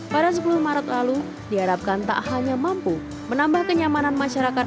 pada sepuluh maret lalu diharapkan tak hanya mampu menambah kenyamanan masyarakat